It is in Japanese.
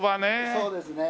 そうですね。